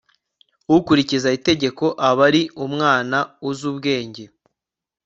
ukurikiza itegeko aba ari umwana uzi ubwenge